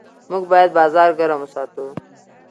موږ باید بازار ګرم وساتو.